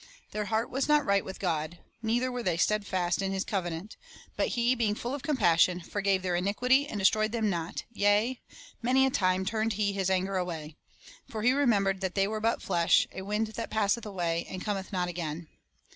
Their heart was not right with God, "neither were they steadfast in His covenant. But He, being full of compassion, forgave their iniquity, and destroyed them not; yea, many a time turned He His anger away. ... For He remembered that they were but flesh; a wind that passeth away, and Com eth not again."